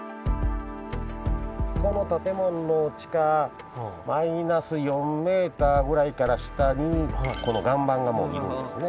この建物の地下マイナス４ｍぐらいから下にこの岩盤がもういるんですね。